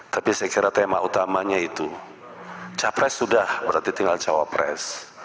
tapi saya kira tema utamanya itu capres sudah berarti tinggal cawapres